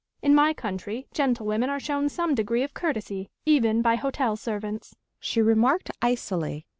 In my country gentlewomen are shown some degree of courtesy, even by hotel servants," she remarked icily.